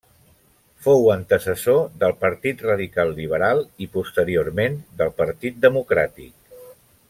Fou antecessor del Partit Radical Liberal, i posteriorment, del Partit Democràtic.